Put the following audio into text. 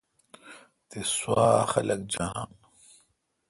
تس سوا خلق جاناں